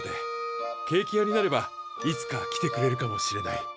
ケーキ屋になればいつか来てくれるかもしれない。